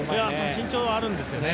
身長はあるんですよね。